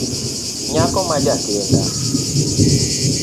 Nyako ma jakinda